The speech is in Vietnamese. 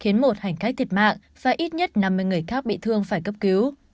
khiến một hành khách thiệt mạng và ít nhất năm mươi người khác bị thương phải cấp cứu